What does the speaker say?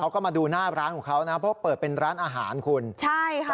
เขาก็มาดูหน้าร้านของเขานะเพราะเปิดเป็นร้านอาหารคุณใช่ค่ะ